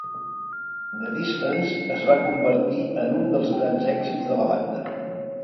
"The Distance" es va convertir en un dels grans èxits de la banda.